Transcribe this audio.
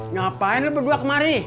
ngapain lu berdua kemari